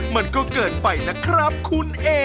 มันก็เกินไปนะครับคุณเอ